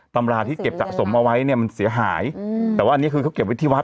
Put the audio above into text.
ตำราที่เก็บสะสมเอาไว้เนี่ยมันเสียหายแต่ว่าอันนี้คือเขาเก็บไว้ที่วัด